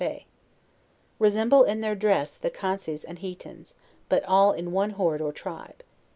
Resemble in their dress, the Cances and Hietans, but all in one horde or tribe.